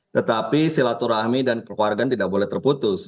tetapi silaturahmi dan keluarga tidak boleh terputus